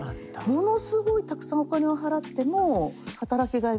ものすごいたくさんお金を払っても働きがいがないと。